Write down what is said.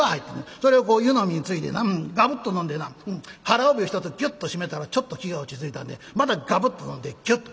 それを湯飲みについでなガブッと飲んでな腹帯をひとつギュッと締めたらちょっと気が落ち着いたんでまたガブッと飲んでキュッと。